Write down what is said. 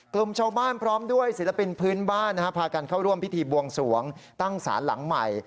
กลุ่มชาวบ้านพร้อมด้วยศิลปินพื้นบ้านพากันเข้าร่วมพิธีบวงสวงตั้งศาลหลังใหม่